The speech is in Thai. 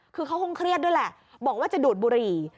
คือเขาคงเครียดด้วยแหละบอกว่าจะดูดบุหรี่